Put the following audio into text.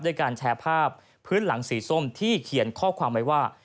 ด้วยการแชร์ภาพพื้นหลังสีส้มที่เขียนข้อความไว้ว่า